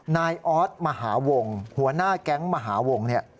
นายออสมหาวงหัวหน้าแก๊งมหาวงเนี่ย